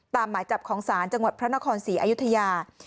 หมายจับของศาลจังหวัดพระนครศรีอยุธยา